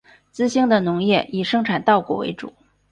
资兴的农业以生产稻谷为主。